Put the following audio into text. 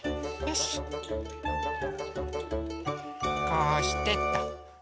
こうしてっと。